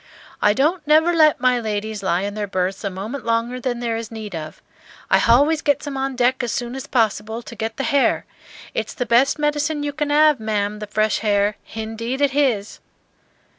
"I don't never let my ladies lie in their berths a moment longer than there is need of. I h'always gets them on deck as soon as possible to get the h'air. It's the best medicine you can 'ave, ma'am, the fresh h'air; h'indeed it h'is."